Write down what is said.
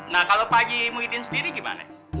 nah kalau pak haji muhyiddin sendiri gimana